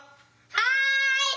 はい！